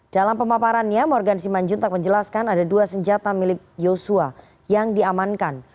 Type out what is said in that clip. dalam pemaparannya morgan simanjuntak menjelaskan ada dua senjata milik yosua yang diamankan